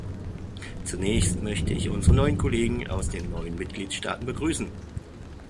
Zunächst möchte ich unsere neuen Kollegen aus den neuen Mitgliedstaaten begrüßen.